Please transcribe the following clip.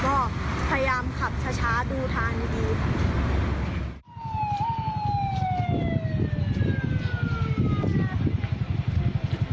ค่อยพยายามขับช้าดูทางอย่างดี